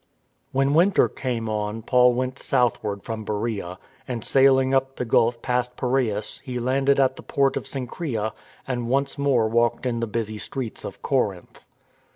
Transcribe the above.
When winter came on Paul went southward from Bercea, and sailing up the Gulf past Piraeus he landed THE FOILED PLOT 271 at the port of Cenchreae and once more walked in the busy streets of Corinth.